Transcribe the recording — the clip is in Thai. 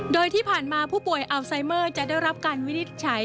โดยที่ผ่านมาผู้ป่วยอัลไซเมอร์จะได้รับการวินิจฉัย